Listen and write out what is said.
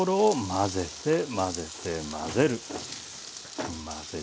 混ぜて混ぜて混ぜる。